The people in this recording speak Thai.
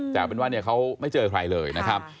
แต่เอาเป็นว่าเขาไม่เจอใครเลยนะครับ